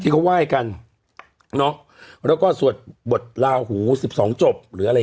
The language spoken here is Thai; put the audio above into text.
ที่เขาไหว้กันเนอะแล้วก็สวดบทลาหูสิบสองจบ